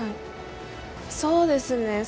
そうですね。